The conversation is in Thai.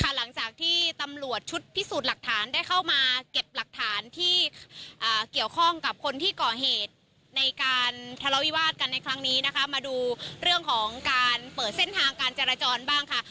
หลังจากที่ตำรวจชุดพิสูจน์หลักฐานได้เข้ามาเก็บหลักฐานที่เกี่ยวข้องกับคนที่ก่อเหตุในการทะเลาวิวาสกันในครั้งนี้นะคะมาดูเรื่องของการเปิดเส้นทางการจราจรบ้างค่ะ